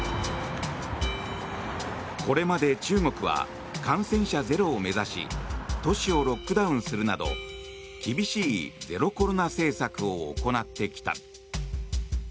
これまで中国は感染者ゼロを目指し都市をロックダウンするなど厳しいゼロコロナ政策を行ってきた。